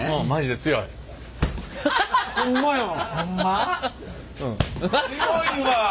強いわ。